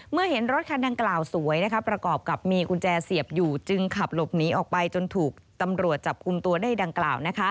เห็นรถคันดังกล่าวสวยประกอบกับมีกุญแจเสียบอยู่จึงขับหลบหนีออกไปจนถูกตำรวจจับกลุ่มตัวได้ดังกล่าว